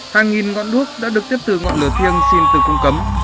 hàng nghìn ngọn đuốc đã được tiếp từ ngọn lửa thiêng xin từ cung cấm